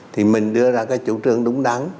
thì mình đưa ra cái chủ trương đúng đắn